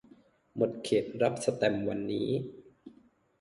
หมดเขตรับสแตมป์วันนี้